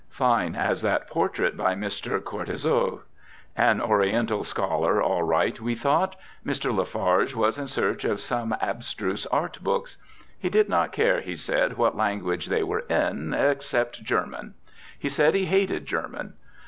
(Fine as that portrait by Mr. Cortissoz.) An Oriental scholar, all right, we thought. Mr. La Farge was in search of some abstruse art books. He did not care, he said, what language they were in, except German. He said he hated German.